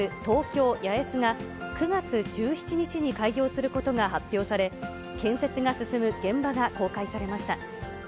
東京八重洲が９月１７日に開業することが発表され、建設が進む現場が公開されました。